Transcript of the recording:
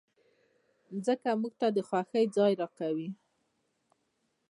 مځکه موږ ته د خوښۍ ځای راکوي.